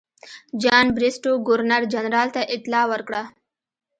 جان بریسټو ګورنر جنرال ته اطلاع ورکړه.